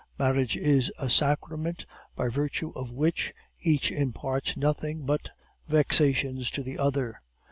Marriage is a sacrament by virtue of which each imparts nothing but vexations to the other.